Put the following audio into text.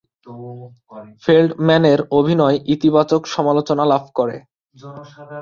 ফেল্ডম্যানের অভিনয় ইতিবাচক সমালোচনা লাভ করে।